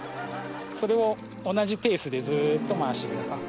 それを同じペースでずっと回してください。